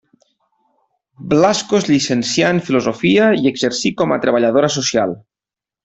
Blasco es llicencià en filosofia i exercí com a treballadora social.